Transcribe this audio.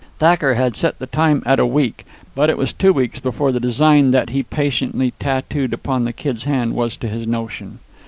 Thacker had set the time at a week, but it was two weeks before the design that he patiently tattooed upon the Kid's hand was to his notion.